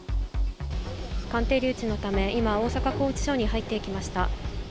鑑定留置のため、今、大阪拘置所に入っていきました。